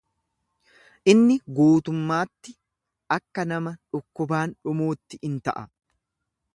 Inni guutummaatti akka nama dhukkubaan dhumuutti in ta'a.